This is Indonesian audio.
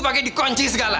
pake di kunci segala